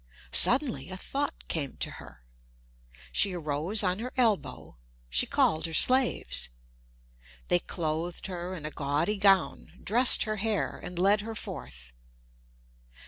Suddenly a thought came to her. She arose on her elbow—she called her slaves. They clothed her in a gaudy gown, dressed her hair, and led her forth.